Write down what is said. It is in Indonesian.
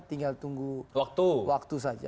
tinggal tunggu waktu saja